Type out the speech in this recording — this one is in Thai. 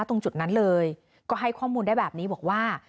ตรงจุดนั้นเลยก็ให้ข้อมูลได้แบบนี้บอกว่า